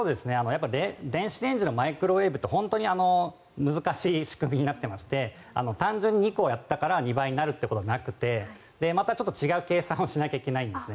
電子レンジのマイクロウェーブって本当に難しい仕組みになっていまして単純に２個やったから２倍になるということではなくてまたちょっと違う計算をしなきゃいけないんですね。